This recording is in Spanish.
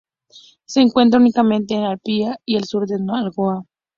Se encuentra únicamente en Namibia y el sur de Angola.